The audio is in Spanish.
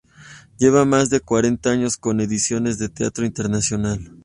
Lleva más de cuarenta años con ediciones de teatro internacional.